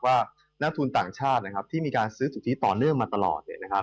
ว่านักทุนต่างชาติที่มีการซื้อสุทธิต่อเนื่องมาตลอด